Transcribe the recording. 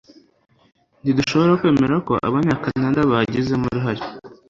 Ntidushobora kwemeza ko Abanyakanada babigizemo uruhare